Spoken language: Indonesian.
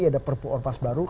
ada perpu orpas baru